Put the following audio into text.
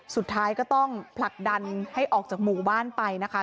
สุดท้ายก็ต้องผลักดันให้ออกจากหมู่บ้านไปนะคะ